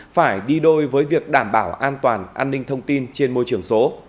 phải đi đôi với việc đảm bảo an toàn an ninh thông tin trên môi trường số